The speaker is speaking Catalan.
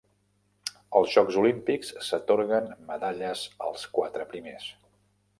Als Jocs Olímpics s'atorguen medalles als quatre primers.